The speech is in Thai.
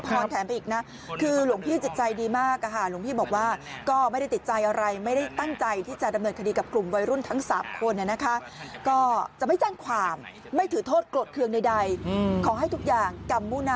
พวกผมพูดไว้ทำขวดแตกไว้ถ้าระวังเดินไปเหยียบเรื่องหน่อยนะ